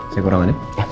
saya kurangkan ya